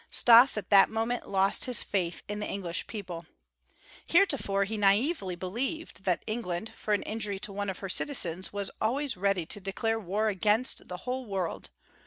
Stas at that moment lost his faith in the English people. Heretofore he naïvely believed that England, for an injury to one of her citizens, was always ready to declare war against the whole world.